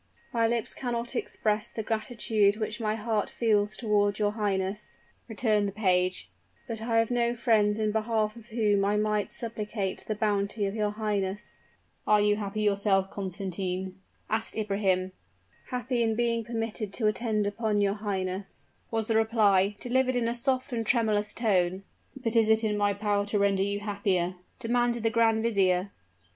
"My lips cannot express the gratitude which my heart feels toward your highness," returned the page, "but I have no friends in behalf of whom I might supplicate the bounty of your highness." "Are you yourself happy, Constantine?" asked Ibrahim. "Happy in being permitted to attend upon your highness," was the reply, delivered in a soft and tremulous tone. "But is it in my power to render you happier?" demanded the grand vizier.